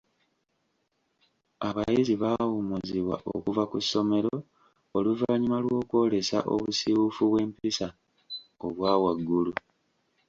Abayizi baawummuzibwa okuva ku ssomero oluvannyuma lwokwolesa obusiiwuufu bw'empisa obwa waggulu.